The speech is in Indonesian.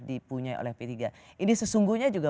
dipunyai oleh p tiga ini sesungguhnya juga